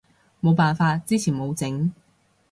冇辦法，之前冇整